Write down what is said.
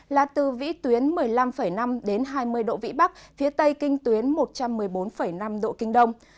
là từ vĩ tuyến một mươi năm năm đến hai mươi độ vĩ bắc phía tây kinh tuyến một trăm một mươi bốn năm độ kinh đông